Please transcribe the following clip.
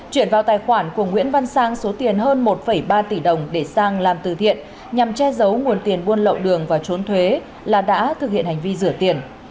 chuyển vào tài khoản của nguyễn văn sang số tiền hơn một ba tỷ đồng để sang làm từ thiện nhằm che giấu nguồn tiền buôn lậu đường và trốn thuế là đã thực hiện hành vi rửa tiền